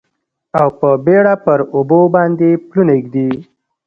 او په بیړه پر اوبو باندې پلونه ږدي